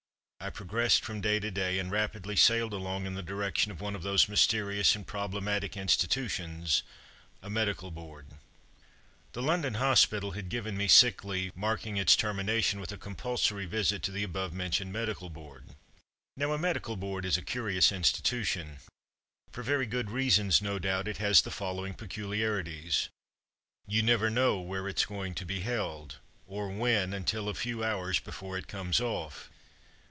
I pro gressed from day to day, and rapidly sailed along in the direction of one of those mysterious and problematic institutions — a Medical Board. The London hospital had given me sick leave, marking its termination with a com pulsory visit to the above mentioned Medi ical Board. Now a Medical Board is a curious institu tion. For very good reasons, no doubt, it has the following peculiarities. You never know where it's going to be held, or when, until a few hours before it comes off.